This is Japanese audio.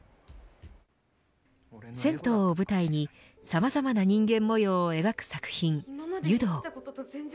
銭湯を舞台にさまざまな人間模様を描く作品、湯道。